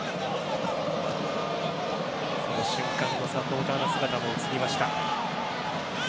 その瞬間のサポーターの姿も映りました。